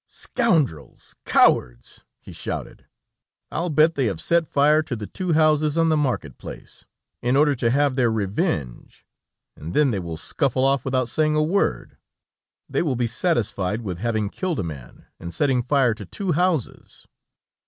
"Scoundrels! cowards!" he shouted. "I will bet they have set fire to the two houses on the market place, in order to have their revenge and then they will scuttle off without saying a word. They will be satisfied with having killed a man and setting fire to two houses.